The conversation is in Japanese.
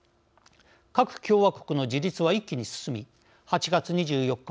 各共和国の自立は一気に進み８月２４日